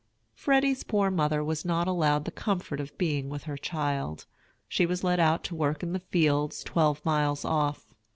Freddy's poor mother was not allowed the comfort of being with her child. She was let out to work in the fields, twelve miles off.